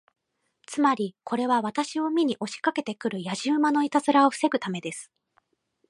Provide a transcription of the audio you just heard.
つまり、これは私を見に押しかけて来るやじ馬のいたずらを防ぐためです。